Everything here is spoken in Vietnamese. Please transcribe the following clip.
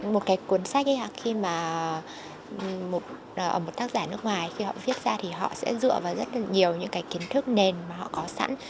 một cuốn sách khi mà một tác giả nước ngoài khi họ viết ra thì họ sẽ dựa vào rất nhiều những kiến thức nền mà họ có sẵn